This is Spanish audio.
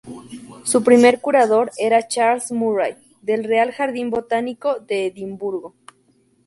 Su primer curador era "Charles Murray" del Real Jardín Botánico de Edimburgo.